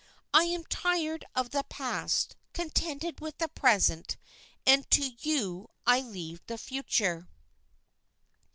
I am tired of the past, contented with the present, and to you I leave the future."